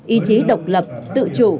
ý chí độc lập tự chú ý